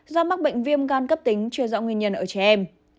do mắc bệnh viêm gan cấp tính truyền dọa nguyên nhân ở trẻ em